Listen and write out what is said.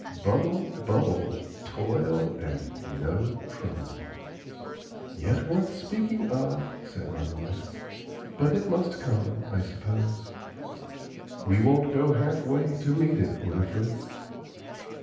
"'Bubble, bubble,' 'Toil' and no 'trouble' " "Yet, worth speaking of," said my wife; "but it must come, I suppose." "We won't go half way to meet it, Winifred."